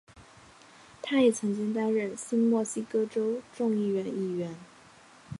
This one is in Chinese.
他也曾经担任新墨西哥州众议院议员。